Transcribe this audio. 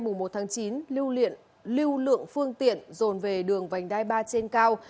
mùa một tháng chín lưu lượng phương tiện dồn về đường vành đai ba trên cao